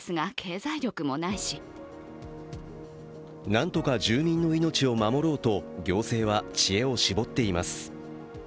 なんとか住民の命を守ろうと行政は知恵を絞っています。